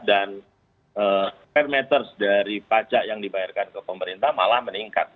dan square meter dari pajak yang dibayarkan ke pemerintah malah meningkat